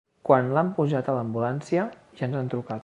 Quan l'han pujat a l'ambulància ja ens han trucat.